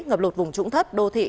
ngập lột vùng trũng thất đô thị